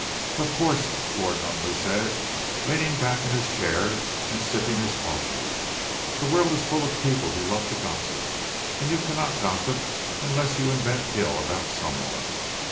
"Of course," Lord Nunneley said, leaning back in his chair and sipping his coffee, "the world is full of people who love to gossip, and you cannot gossip unless you invent ill about someone.